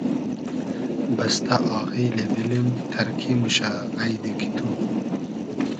بستۂ آغیلی دیلیم تئرکی موشۂ غݷدی کی تو